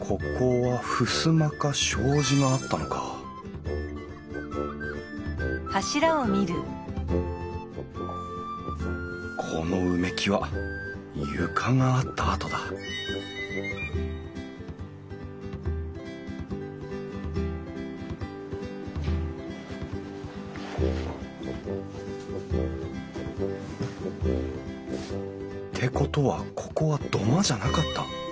ここは襖か障子があったのかこの埋木は床があった跡だってことはここは土間じゃなかった。